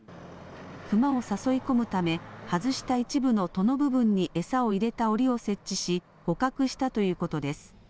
熊を誘い込むため外した一部の戸の部分に餌を入れたおりを設置し捕獲したということです。